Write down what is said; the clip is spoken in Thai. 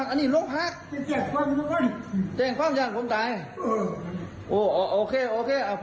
ไม่ตายหรอกไม่ตายไปโรงพยาบาลก็ปวดแขววโอเคโอเคเนาะ